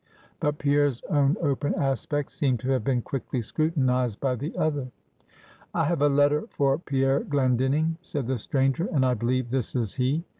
But Pierre's own open aspect, seemed to have been quickly scrutinized by the other. "I have a letter for Pierre Glendinning," said the stranger, "and I believe this is he."